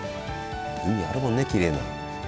海あるもんねきれいな。